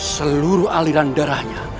seluruh aliran darahnya